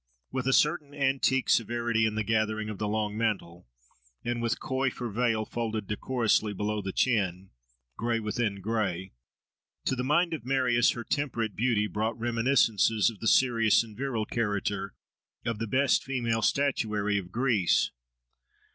With a certain antique severity in the gathering of the long mantle, and with coif or veil folded decorously below the chin, "gray within gray," to the mind of Marius her temperate beauty brought reminiscences of the serious and virile character of the best female statuary of Greece.